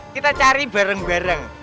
kita cari bareng bareng